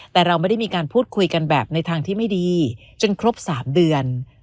แต่เราไม่ได้มีการพูดคุยกันแบบในทางที่ไม่ดีจนครบ๓เดือน